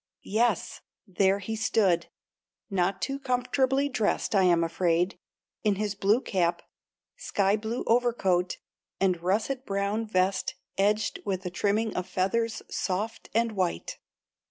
Yes, there he stood, not too comfortably dressed I am afraid, in his blue cap, sky blue overcoat and russet brown vest edged with a trimming of feathers soft and white.